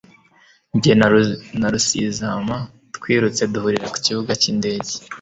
Jye na Rusizama twirutse duhurira ku kibuga cy'indege.